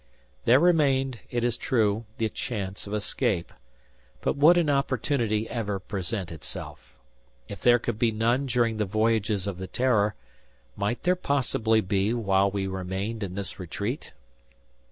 There remained, it is true, the chance of escape. But would an opportunity ever present itself? If there could be none during the voyages of the "Terror," might there possibly be, while we remained in this retreat?